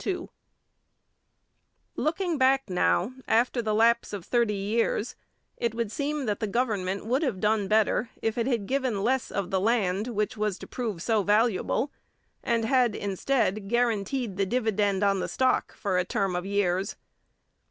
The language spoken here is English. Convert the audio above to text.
Looking back now, after the lapse of thirty years, it would seem that the government would have done better if it had given less of the land which was to prove so valuable, and had, instead, guaranteed the dividend on the stock for a term of years.